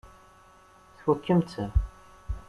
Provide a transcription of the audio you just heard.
Tfukkem-tt?